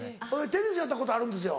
テニスやったことあるんですよ。